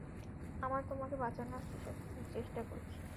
আমরা তোমকে বাঁচানোর চেষ্টা করছি।